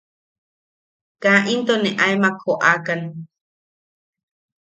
Kaa into ne aemak joʼakan.